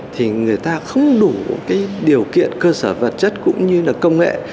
thì người ta không đủ cái điều kiện cơ sở vật chất cũng như là công nghệ